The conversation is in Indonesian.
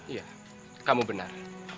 iya kamu benar